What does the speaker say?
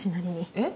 えっ？